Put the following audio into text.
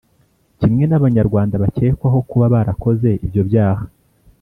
kimwe n'abanyarwanda bakekwaho kuba barakoze ibyo byaha